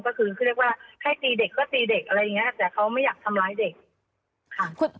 ก็คือให้ตีเด็กก็ตีเด็กอะไรอย่างนี้แต่เขาไม่อยากทำร้ายเด็ก